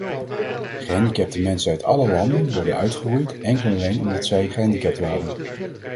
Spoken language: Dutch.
Gehandicapte mensen uit alle landen werden uitgeroeid, enkel en alleen omdat zij gehandicapt waren.